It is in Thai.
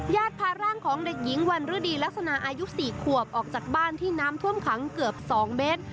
ญาติพาร่างของเด็กหญิงวันฤดีลักษณะอายุ๔ขวบออกจากบ้านที่น้ำท่วมขังเกือบ๒เมตร